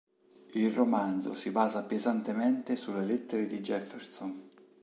Il romanzo si basa pesantemente sulle lettere di Jefferson.